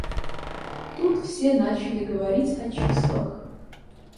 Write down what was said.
Тут все начали говорить о числах.